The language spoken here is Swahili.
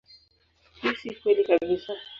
Hii si kweli kabisa.